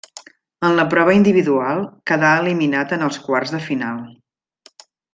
En la prova individual quedà eliminat en els quarts de final.